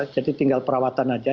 jadi tinggal perawatan saja